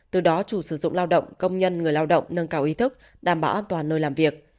từ đó chủ sử dụng lao động công nhân người lao động nâng cao ý thức đảm bảo an toàn nơi làm việc